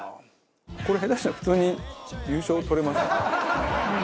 これ下手したら普通に優勝とれますよね。